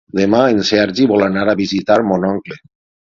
Demà en Sergi vol anar a visitar mon oncle.